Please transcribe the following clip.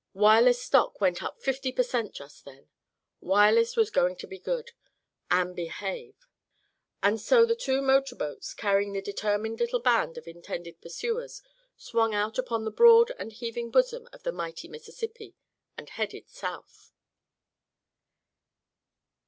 Wireless stock went up fifty per cent just then; Wireless was going to be good, and behave! And so the two motor boats carrying the determined little band of intended pursuers swung out upon the broad and heaving bosom of the mighty Mississippi, and headed south.